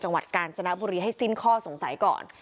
จังหวัดกาญจนบุรีให้สิ้นข้อสงสัยก่อน